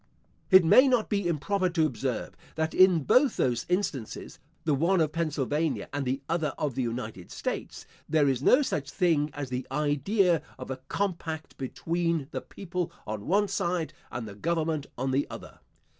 It may not be improper to observe that in both those instances (the one of Pennsylvania, and the other of the United States), there is no such thing as the idea of a compact between the people on one side, and the government on the other.